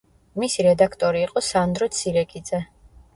მისი რედაქტორი იყო სანდრო ცირეკიძე.